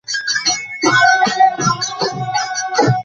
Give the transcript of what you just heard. রসুলপুর এলাকায় বিপরীত দিক থেকে আসা একটি ট্রাক অটোরিকশাটিকে ধাক্কা দেয়।